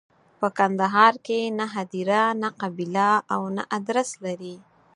په کندهار کې نه هدیره، نه قبیله او نه ادرس لري.